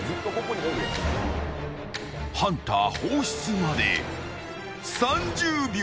ハンター放出まで３０秒。